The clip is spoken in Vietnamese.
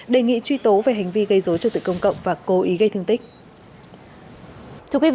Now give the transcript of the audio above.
đề nghị truy tố về hành vi gây dối trực tực công cộng và cố ý gây thương tích